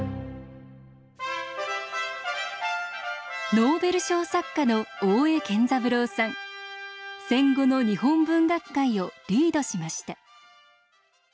ノーベル賞作家の戦後の日本文学界をリードしました。